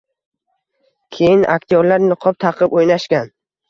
Keyin aktyorlar niqob taqib o‘ynashgan